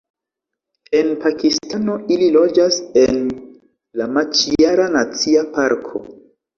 En Pakistano ili loĝas en la Maĉiara Nacia Parko.